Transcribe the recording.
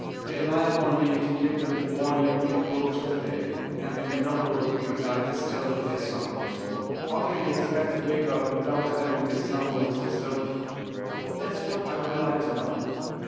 They rely upon me to give them warning of the approach of day, and then grumble because I disturb their slumbers. How can they expect to wake up without having their slumbers disturbed? That's what I would like to know.